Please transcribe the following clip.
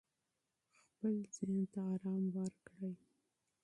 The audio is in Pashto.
خپل ذهن ته آرام ورکړئ.